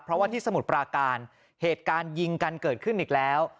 เพราะว่าที่สมุทรปราการเหตุการณ์ยิงกันเกิดขึ้นอีกแล้ว